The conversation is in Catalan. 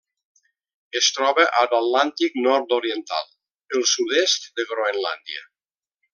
Es troba a l'Atlàntic nord-oriental: el sud-est de Groenlàndia.